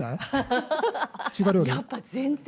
やっぱ全然！